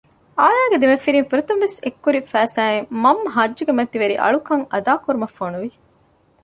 އާޔާގެ ދެމަފިރިން ފުރަތަމަވެސް އެއްކުރި ފައިސާއިން މަންމަ ހައްޖުގެ މަތިވެރި އަޅުކަން އަދާކުރުމަށް ފޮނުވި